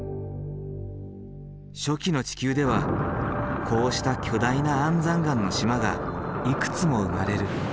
初期の地球ではこうした巨大な安山岩の島がいくつも生まれる。